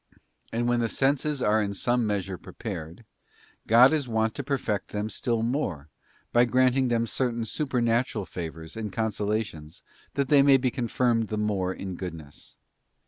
And when the senses are in some measure pre pared, God is wont to perfect them 'still more by granting them certain supernatural favours and consolations that they may be confirmed the more in goodness.